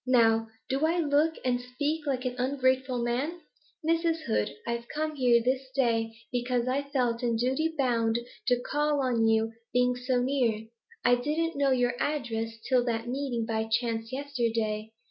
Now do I look and speak like an ungrateful man? Mrs. Hood, I've come here this day because I felt in duty bound to call on you, being so near. I didn't know your address, till that meeting by chance yesterday.